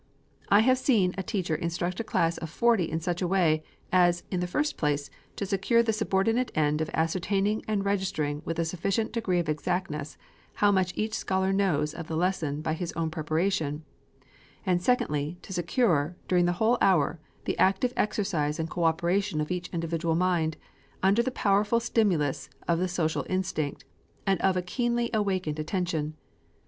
I have seen a teacher instruct a class of forty in such a way, as, in the first place, to secure the subordinate end of ascertaining and registering with a sufficient degree of exactness how much each scholar knows of the lesson by his own preparation, and secondly, to secure, during the whole hour, the active exercise and coöperation of each individual mind, under the powerful stimulus of the social instinct, and of a keenly awakened attention.